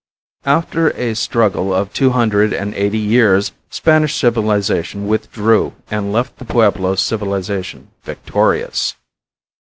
After a struggle of two hundred and eighty years Spanish civilization withdrew and left the Pueblo civilization victorious.